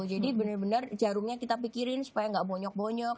jadi bener bener jarumnya kita pikirin supaya nggak bonyok bonyok